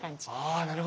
あなるほど。